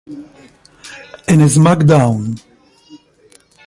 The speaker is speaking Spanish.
En "SmackDown!